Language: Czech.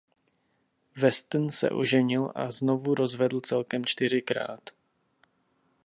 Weston se oženil a znovu rozvedl celkem čtyřikrát.